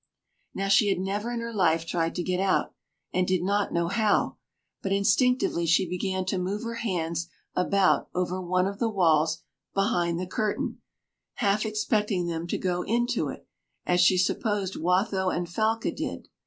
Now she had never in her life tried to get out, and did not know how; but instinctively she began to move her hands about over one of the walls behind the curtain, half expecting them to go into it, as she supposed Watho and Falca did.